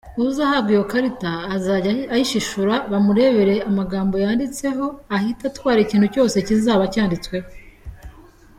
Uzahabwa iyo karita, azajya ayishishura, bamurebere amagambo yanditseho, ahite atwara ikintu cyose kizaba cyanditsweho.